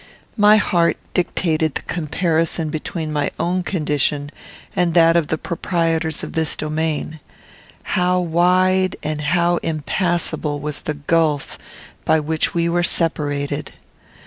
My heart dictated the comparison between my own condition and that of the proprietors of this domain. How wide and how impassable was the gulf by which we were separated!